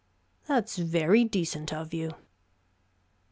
"That's very decent of you."